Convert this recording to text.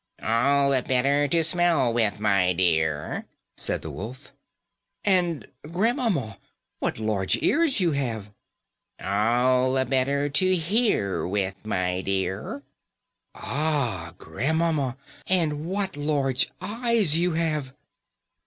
"All the better to smell with, my dear," said the wolf. "And, grandmamma, what large ears you have." "All the better to hear with, my dear." "Ah! grandmamma, and what large eyes you have."